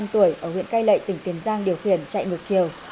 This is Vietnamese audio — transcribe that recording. ba mươi năm tuổi ở huyện cây lệ tỉnh tiền giang điều khiển chạy ngược chiều